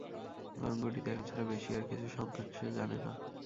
তরঙ্গটি দেখা ছাড়া বেশী আর কিছুর সন্ধান সে জানে না।